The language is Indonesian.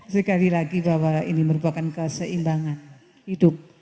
sekali lagi bahwa ini merupakan keseimbangan hidup